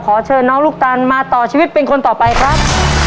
เชิญน้องลูกตันมาต่อชีวิตเป็นคนต่อไปครับ